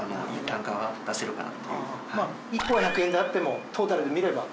１個は１００円であってもトータルで見れば。